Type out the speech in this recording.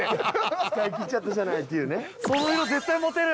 「使いきっちゃったじゃない」っていうね。